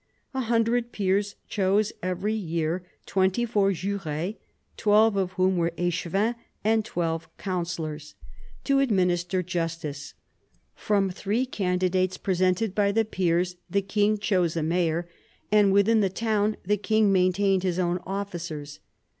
A hundred peers chose every year twenty four jures, twelve of whom were echevins and twelve counsellors, to administer 150 PHILIP AUGUSTUS chap. justice. From three candidates presented by the peers the king chose a mayor : and within the town the king maintained his own officers.